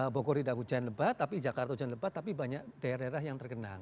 bogor tidak hujan lebat tapi jakarta hujan lebat tapi banyak daerah daerah yang tergenang